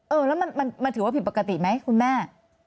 เออแล้วมันถือว่าผิดปกติไหมคุณแม่